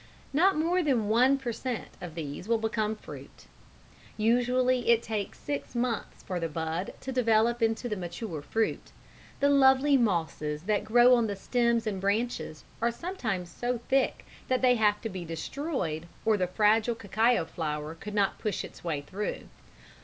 Not more than one per cent. of these will become fruit. Usually it takes six months for the bud to develop into the mature fruit. The lovely mosses that grow on the stems and branches are sometimes so thick that they have to be destroyed, or the fragile cacao flower could not push its way through.